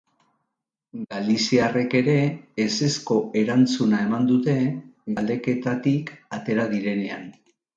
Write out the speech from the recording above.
Galiziarrek ere ezezko erantzuna eman dute galdeketatik atera direnean.